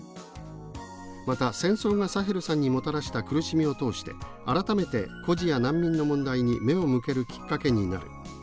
また「戦争がサヘルさんにもたらした苦しみを通して改めて孤児や難民の問題に目を向けるきっかけになる。